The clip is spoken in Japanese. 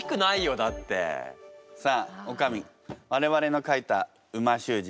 さあおかみ我々の書いた美味しゅう字